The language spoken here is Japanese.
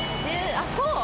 あっこう！